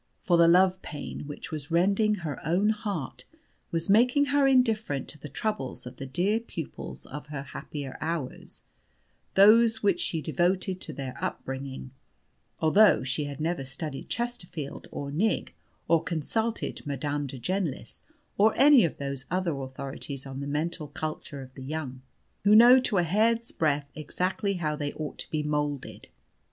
For the love pain which was rending her own heart was making her indifferent to the troubles of the dear pupils of her happier hours those which she devoted to their up bringing, although she had never studied Chesterfield or Knigge, or consulted Madame de Genlis, or any of those other authorities on the mental culture of the young, who know to a hair's breadth exactly how they ought to be moulded.